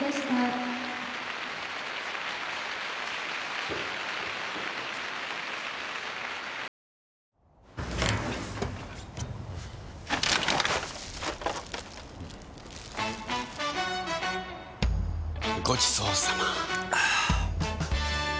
はぁごちそうさま！